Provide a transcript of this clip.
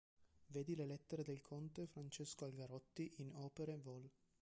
Vedi le lettere del Conte Francesco Algarotti in "Opere" Vol.